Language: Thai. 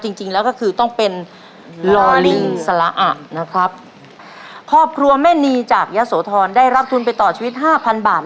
จริงแล้วก็คือต้องเป็นลอลิงสละอะนะครับครอบครัวแม่นีจากยะโสธรได้รับทุนไปต่อชีวิตห้าพันบาท